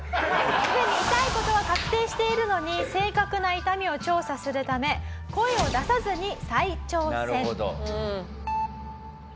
「すでに痛い事は確定しているのに正確な痛みを調査するため声を出さずに再挑戦」「なるほど」